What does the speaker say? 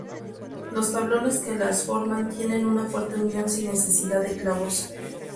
Los tablones que las forman tienen una fuerte unión sin necesidad de clavos.